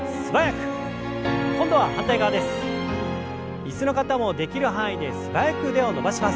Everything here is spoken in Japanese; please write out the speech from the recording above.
椅子の方もできる範囲で素早く腕を伸ばします。